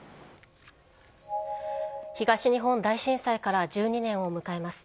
東日本大震災から１２年を迎えます。